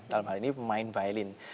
dalam hal ini pemain violen